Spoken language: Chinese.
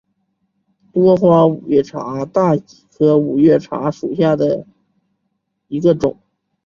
多花五月茶为大戟科五月茶属下的一个种。